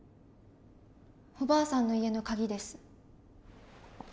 おばあさんの家のカギです。